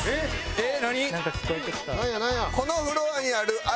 えっ。